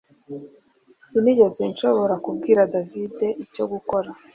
Sinigeze nshobora kubwira David icyo gukora